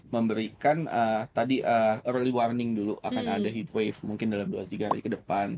memberikan tadi early warning dulu akan ada heat wave mungkin dalam dua tiga hari ke depan